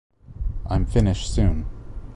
I’m finished soon.